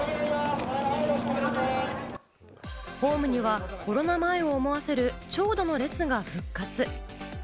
ホームにはコロナ前を思わせる長蛇の列が復活。